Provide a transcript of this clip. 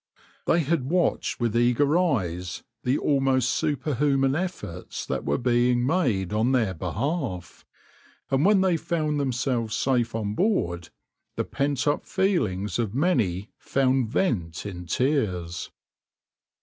They had watched with eager eyes the almost superhuman efforts that were being made on their behalf, and when they found themselves safe on board, the pent up feelings of many found vent in tears.